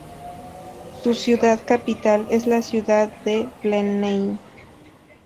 Su ciudad capital es la ciudad de Blenheim.